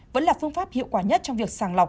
vẫn là phương pháp hiệu quả nhất trong việc sàng lọc